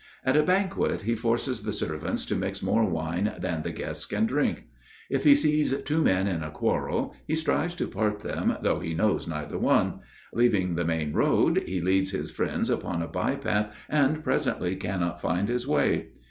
At a banquet, he forces the servants to mix more wine than the guests can drink. If he sees two men in a quarrel, he strives to part them though he knows neither one. Leaving the main road he leads his friends upon a by path and presently cannot find his way.